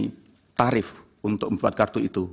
jadi ini tarif untuk membuat kartu itu